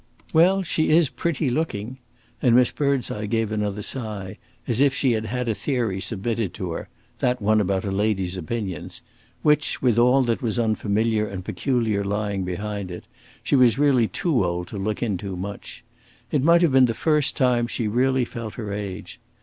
"Well, she is pretty looking." And Miss Birdseye gave another sigh, as if she had had a theory submitted to her that one about a lady's opinions which, with all that was unfamiliar and peculiar lying behind it, she was really too old to look into much. It might have been the first time she really felt her age.